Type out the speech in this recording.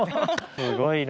すごいな。